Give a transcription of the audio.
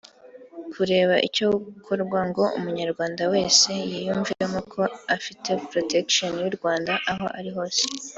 Kureba icyakorwa ngo umunyarwanda wese yiyumvemo ko afite protection y’u Rwanda aho ari hose